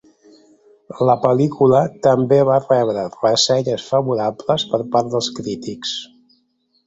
La pel·lícula també va rebre ressenyes favorables per part dels crítics.